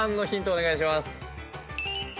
お願いします。